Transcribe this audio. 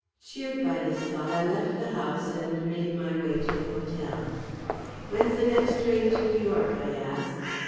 Cheered by this thought, I left the house and made my way to the hotel. "When's the next train to New York?" I asked.